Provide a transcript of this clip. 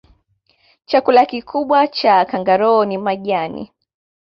chakula kikubwa cha kangaroo ni majani